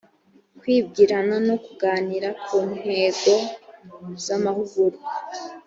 kwibwirana no kuganira ku ntego z amahugurwa